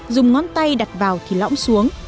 dùng ngón tay đặt vào thì lõng xuống